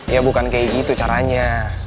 ya bukan kayak gitu caranya